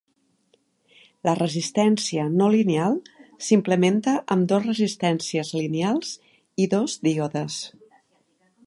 La resistència no lineal s'implementa amb dos resistències lineals i dos díodes.